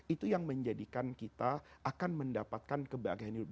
itu yang menjadikan kita akan mendapatkan kebahagiaan hidup